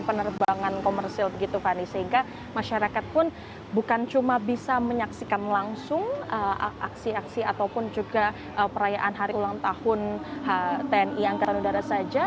penerbangan komersil begitu fani sehingga masyarakat pun bukan cuma bisa menyaksikan langsung aksi aksi ataupun juga perayaan hari ulang tahun tni angkatan udara saja